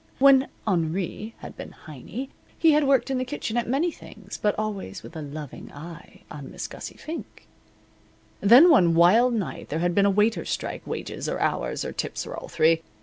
When Henri had been Heiny he had worked in the kitchen at many things, but always with a loving eye on Miss Gussie Fink. Then one wild night there had been a waiters' strike wages or hours or tips or all three.